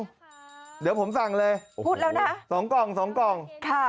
เดี๋ยวผมสั่งเลย๒กล่อง๒กล่อง